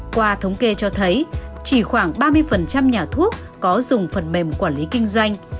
qua thống kê cho thấy chỉ khoảng ba mươi nhà thuốc có dùng phần mềm quản lý kinh doanh